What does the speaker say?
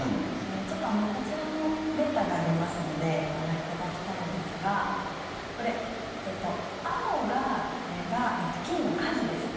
こちらのデータがありますのでご覧いただきたいんですが青が、これが菌の数です。